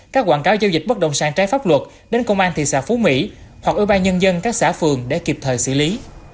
các quảng cáo giao dịch bất động sản trái pháp luật đến công an thị xã phú mỹ hoặc ủy ban nhân dân các xã phường để kịp thời xử lý